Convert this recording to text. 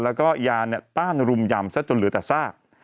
แล้วก็ยาต้านรุมยำซะจนเหลือแต่ซาก